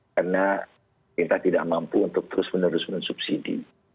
karena kita tidak mampu untuk terus menerus menerus subsidi